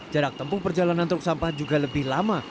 jarak tempuh perjalanan truk sampah juga lebih lama